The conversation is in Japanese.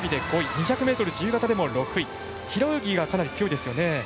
２００ｍ自由形でも６位平泳ぎがかなり強いですね。